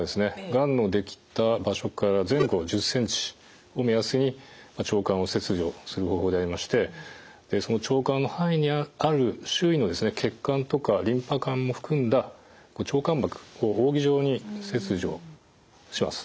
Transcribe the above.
がんのできた場所から前後１０ｃｍを目安に腸管を切除する方法でありましてその腸管の範囲にある周囲の血管とかリンパ管も含んだ腸間膜を扇状に切除します。